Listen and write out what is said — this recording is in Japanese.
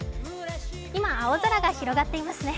今青空が広がっていますね。